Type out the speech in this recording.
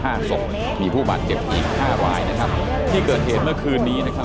จะมีผู้บัดเจ็บอีก๕รายที่เกิดเหตุเมื่อคืนนี้นะครับ